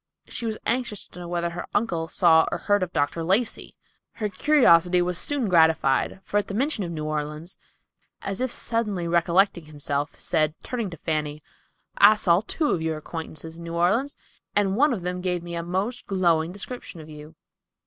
She was anxious to know whether her uncle saw or heard of Dr. Lacey. Her curiosity was soon gratified, for, at the mention of New Orleans, as if suddenly recollecting himself, said, turning to Fanny, "I saw two of your acquaintances in New Orleans, and one of them gave me a most glowing description of you."